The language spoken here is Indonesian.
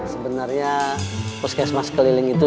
sebenarnya puskesmas keliling itu